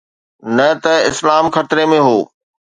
نه ته اسلام خطري ۾ هو.